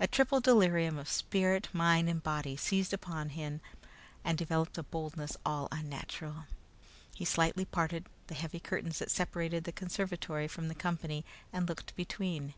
A triple delirium of spirit, mind, and body seized upon him and developed a boldness all unnatural. He slightly parted the heavy curtains that separated the conservatory from the company and looked between.